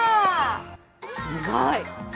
すごい！